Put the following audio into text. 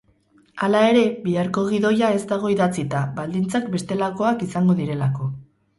Hala ere, biharko gidoia ez dago idatzita, baldintzak bestelakoak izango direlako.